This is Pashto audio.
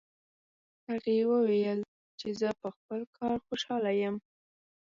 هغې وویل چې زه په خپل کار خوشحاله یم